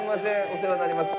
お世話になります。